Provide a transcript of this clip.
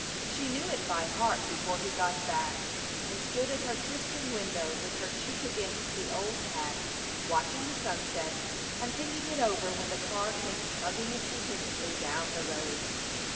She knew it by heart before he got back, and stood at her trysting window with her cheek against the old hat, watching the sunset and thinking it over when the car came chugging contentedly down the road.